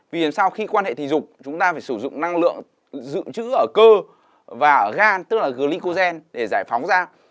vì làm sao khi quan hệ tình dục chúng ta phải sử dụng năng lượng dự trữ ở cơ và ở gan tức là glicogen để giải phóng ra